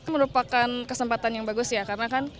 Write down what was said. merupakan kesempatan yang bagus ya karena kan